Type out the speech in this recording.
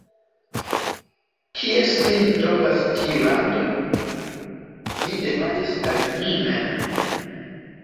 Kie sin trovas tiu lando? mi demandis al mi mem.